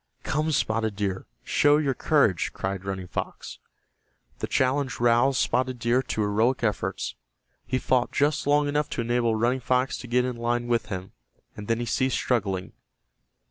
"Come, Spotted Deer, show your courage!" cried Running Fox. The challenge roused Spotted Deer to heroic efforts. He fought just long enough to enable Running Fox to get in line with him, and then he ceased struggling.